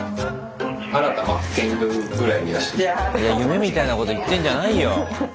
いや夢みたいなこと言ってんじゃないよ。